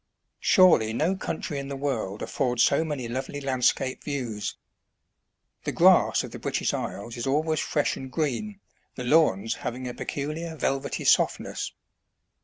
Surely no country in the world affords so many lovely landscape views. The grass of the British Isles is always fresh and green, the lawns having a peculiar velvety softness.